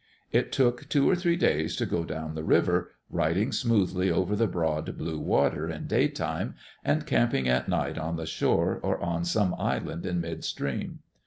It took two or three days to go down the river, riding smoothly over the broad blue water in daytime and camping at night on the shore or on some island in mid stream.